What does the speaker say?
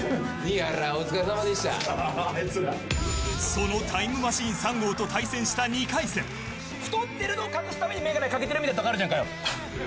そのタイムマシーン３号と対戦した２回太ってるのを隠すために眼鏡かけてるみたいなとこあるじゃんかよ。